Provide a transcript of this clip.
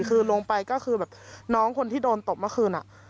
คือลงไปก็คือแบบน้องคนที่โดนตบเมื่อคืน